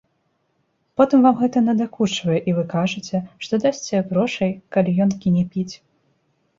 Потым вам гэта надакучвае, і вы кажаце, што дасце грошай, калі ён кіне піць.